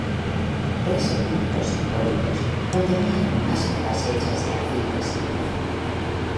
Tres sepulcros simbólicos contenían máscaras hechas de arcilla sin cocer.